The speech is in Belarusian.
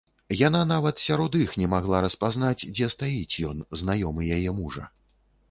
Яна нават сярод іх не магла распазнаць, дзе стаіць ён, знаёмы яе мужа.